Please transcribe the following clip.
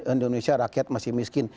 indonesia rakyat masih miskin